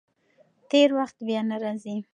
تېر وخت بیا نه راځي.